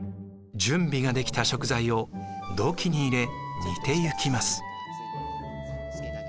準備ができた食材を土器に入れ煮ていきます。